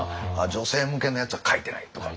女性向けのやつは書いてないとか。